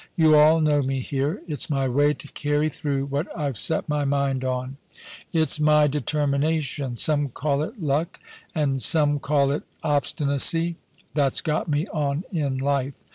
You all know me here ; it's my way to carry through what I've set my mind oa It's THE PREMIER. 1 1 my determination — some call it luck and some call it obsti nacy — ^that's got me on in life.